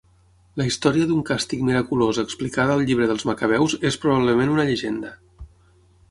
La història d'un càstig miraculós explicada al llibre dels macabeus és probablement una llegenda.